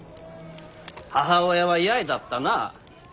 母親は八重だったな。